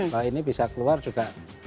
bahwa ini bisa keluar juga